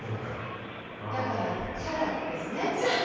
だからチャラですね